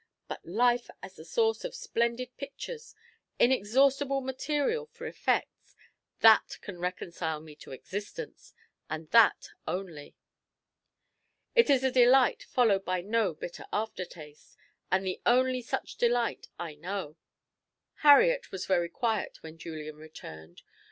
But life as the source of splendid pictures, inexhaustible material for effects that can reconcile me to existence, and that only. It is a delight followed by no bitter after taste, and the only such delight I know." Harriet was very quiet when Julian returned.